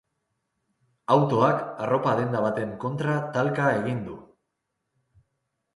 Autoak arropa denda baten kontra talka egin du.